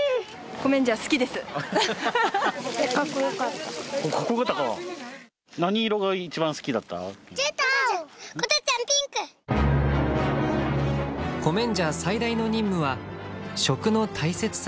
コメンジャー最大の任務は食の大切さを伝えること。